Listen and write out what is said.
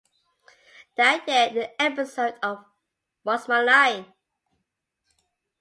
That year, an episode of What's My Line?